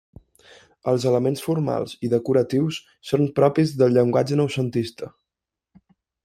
Els elements formals i decoratius són propis del llenguatge noucentista.